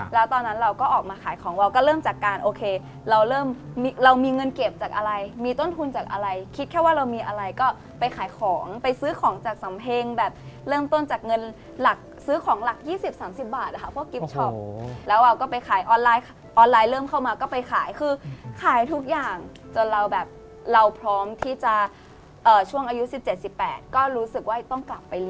แล้วตอนนั้นเราก็ออกมาขายของเราก็เริ่มจากการโอเคเราเริ่มเรามีเงินเก็บจากอะไรมีต้นทุนจากอะไรคิดแค่ว่าเรามีอะไรก็ไปขายของไปซื้อของจากสำเพ็งแบบเริ่มต้นจากเงินหลักซื้อของหลัก๒๐๓๐บาทค่ะพวกกิฟต์ช็อปแล้วเราก็ไปขายออนไลน์ออนไลน์เริ่มเข้ามาก็ไปขายคือขายทุกอย่างจนเราแบบเราพร้อมที่จะช่วงอายุ๑๗๑๘ก็รู้สึกว่าต้องกลับไปเรียน